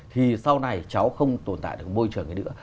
thì sau này cháu không tồn tại được môi trường ấy nữa